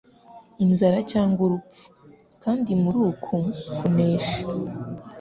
inzara cyangwa urupfu. Kandi muri uku kunesha